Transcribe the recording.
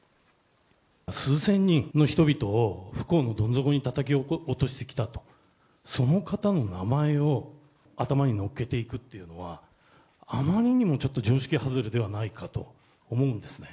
数千人の人々を不幸のどん底にたたき落としてきたと、その方の名前を頭にのっけていくっていうのは、あまりにもちょっと常識外れではないかと思うんですね。